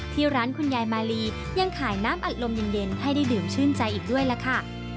ที่ร้านคุณยายมาลียังขายน้ำอัดลมเย็นให้ได้ดื่มชื่นใจอีกด้วยล่ะค่ะ